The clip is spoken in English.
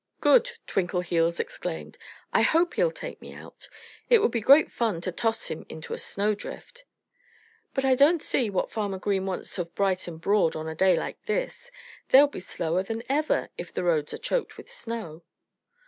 "Good!" Twinkleheels exclaimed. "I hope he'll take me out. It would be great fun to toss him into a snowdrift.... But I don't see what Farmer Green wants of Bright and Broad on a day like this. They'll be slower than ever if the roads are choked with snow."